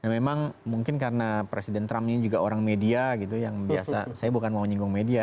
memang mungkin karena presiden trump ini juga orang media gitu yang biasa saya bukan mau nyinggung media